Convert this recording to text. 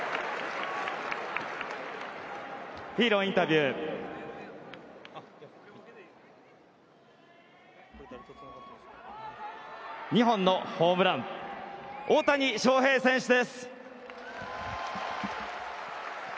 ヒーローインタビュー２本のホームラン大谷翔平選手です！